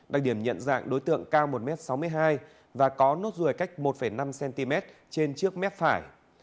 đặc điểm nhận dạng đối tượng cao một m sáu mươi hai và có nốt ruồi cách một năm cm trên trước mép phải